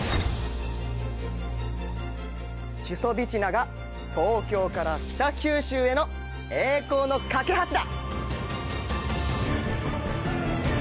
チュソビチナが東京から北九州への栄光の架け橋だ！